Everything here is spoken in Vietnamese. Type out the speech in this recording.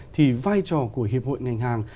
thì vai trò của hiệp hội ngành hàng